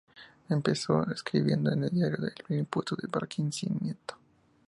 Empezó escribiendo en el diario "El Impulso" de Barquisimeto.